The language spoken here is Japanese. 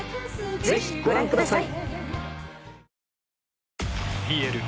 ぜひご覧ください。